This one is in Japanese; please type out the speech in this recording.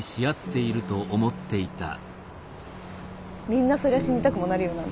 みんなそりゃ死にたくもなるよな。